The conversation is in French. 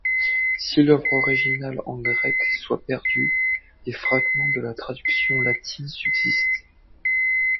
Si l'œuvre originale en grec soit perdue, des fragments de la traduction latine subsiste.